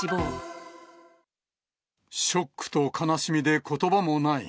ショックと悲しみでことばもない。